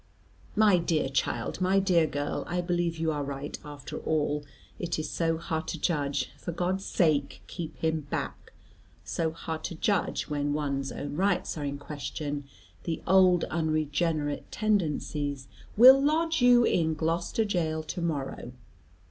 "My dear child, my dear girl, I believe you are right after all. It is so hard to judge for God's sake keep him back so hard to judge when one's own rights are in question. The old unregenerate tendencies " "Will lodge you in Gloucester jail to morrow.